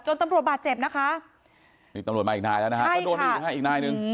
จนตำรวจบาดเจ็บนะคะตำรวจมาอีกนายแล้วนะคะต้องโดนอีกนายนึง